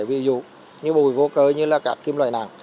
ví dụ như bùi vô cơ như là các kim loại nặng